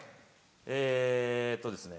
えっとですね。